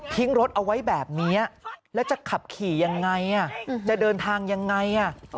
รถเอาไว้แบบนี้แล้วจะขับขี่ยังไงจะเดินทางยังไง